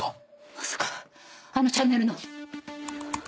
まさかあのチャンネルの！